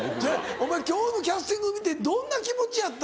お前今日のキャスティング見てどんな気持ちやった？